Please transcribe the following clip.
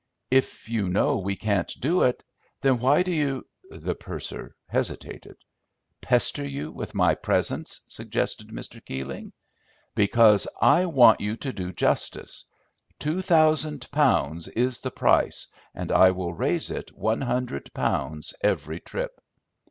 "If you know we can't do it, then why do you—?" The purser hesitated. "Pester you with my presence?" suggested Mr. Keeling. "Because I want you to do justice. Two thousand pounds is the price, and I will raise it one hundred pounds every trip."